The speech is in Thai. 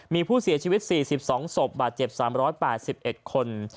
มีผู้เสียชีวิต๔๒ศพบาดเจ็บ๓๘๑คน